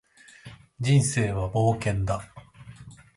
人生は冒険だ